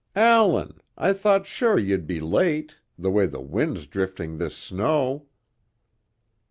"Allan! I thought sure you'd be late, the way the wind's drifting this snow."